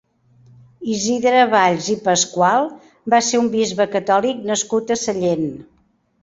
Isidre Valls i Pascual va ser un bisbe catòlic nascut a Sallent.